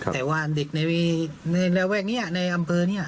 แต่ว่าเด็กในระแวกนี้ในอำเภอนี้